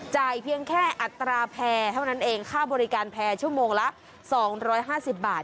เพียงแค่อัตราแพร่เท่านั้นเองค่าบริการแพร่ชั่วโมงละ๒๕๐บาท